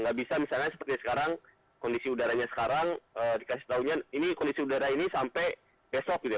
nggak bisa misalnya seperti sekarang kondisi udaranya sekarang dikasih tahunya ini kondisi udara ini sampai besok gitu ya